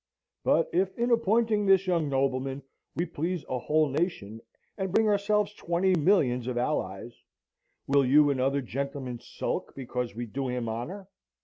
But if in appointing this young nobleman we please a whole nation, and bring ourselves twenty millions of allies, will you and other gentlemen sulk because we do him honour?